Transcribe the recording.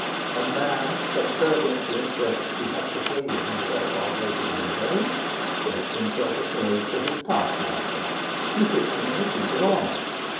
And man, subservient to interests he has persuaded himself are greater than his own, makes himself a slave to his taskmaster. He sits him in a seat of honour.